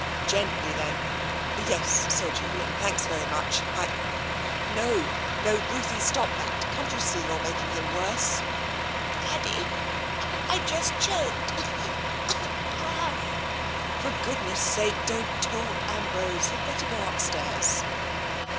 '* Gently, then. Yes, Sir Julian, thanks very much, I ... No, no, Ruthie — stop that — can't you see you're making him worse? "" Daddy, I just choked — a crumb "" For goodness' sake don't talk, Ambrose. You'd better go upstairs."